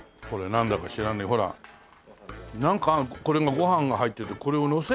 なんかご飯が入っててこれをのせるんだよ。